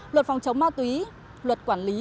luật phòng chống ma túy luật quản lý